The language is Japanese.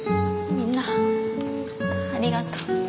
みんなありがとう。